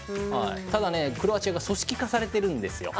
ただ、クロアチアが組織化されているんですよ。